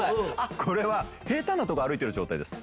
これは平坦なとこを歩いてる状態です。